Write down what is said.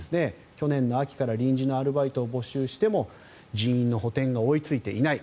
去年の秋から臨時のアルバイトを募集しても人員の補てんが追いついていない。